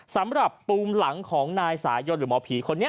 สำหรับปูมหลังของนายสายนหรือหมอผีคนนี้